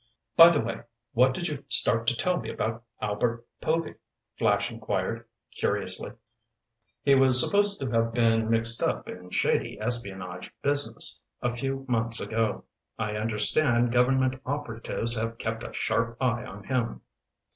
"By the way, what did you start to tell me about Albert Povy?" Flash inquired curiously. "He was supposed to have been mixed up in shady espionage business a few months ago. I understand government operatives have kept a sharp eye on him."